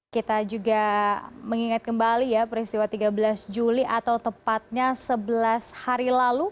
kita juga mengingat kembali ya peristiwa tiga belas juli atau tepatnya sebelas hari lalu